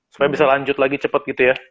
supaya bisa lanjut lagi cepet gitu ya